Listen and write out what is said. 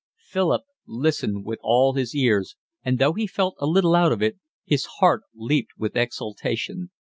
Philip listened with all his ears, and though he felt a little out of it, his heart leaped with exultation.